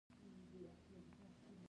یو منظم او غښتلی امت جوړ شو.